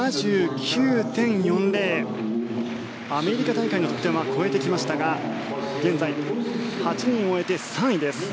アメリカ大会の得点は超えてきましたが現在、８人終えて３位です。